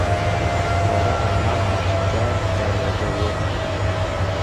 «Qora ammam»- nikida darvoza yo‘q.